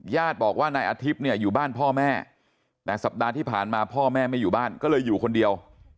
ญาติบอกว่านายอาทิตย์เนี่ยอยู่บ้านพ่อแม่แต่สัปดาห์ที่ผ่านมาพ่อแม่ไม่อยู่บ้านก็เลยอยู่คนเดียว